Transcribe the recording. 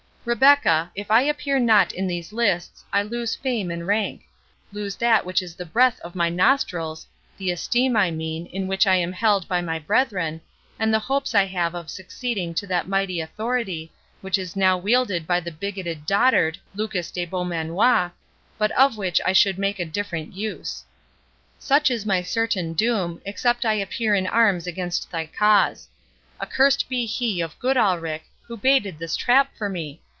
—Rebecca, if I appear not in these lists I lose fame and rank—lose that which is the breath of my nostrils, the esteem, I mean, in which I am held by my brethren, and the hopes I have of succeeding to that mighty authority, which is now wielded by the bigoted dotard Lucas de Beaumanoir, but of which I should make a different use. Such is my certain doom, except I appear in arms against thy cause. Accursed be he of Goodalricke, who baited this trap for me!